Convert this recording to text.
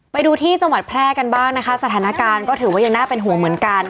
ไปดูที่จังหวัดแพร่กันบ้างนะคะสถานการณ์ก็ถือว่ายังน่าเป็นห่วงเหมือนกัน